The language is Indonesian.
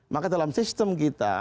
maka dalam sistem kita